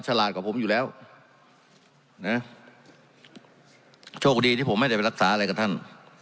ฉลาดกว่าผมอยู่แล้วนะโชคดีที่ผมไม่ได้ไปรักษาอะไรกับท่าน